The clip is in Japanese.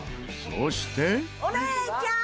そして。